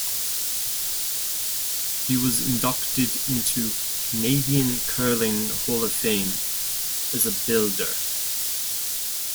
He was inducted into Canadian Curling Hall of Fame as a builder.